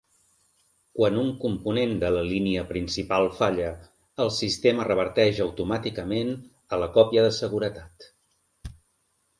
Quan un component de la línia principal falla, el sistema reverteix automàticament a la còpia de seguretat.